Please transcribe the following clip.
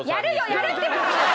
やるってば！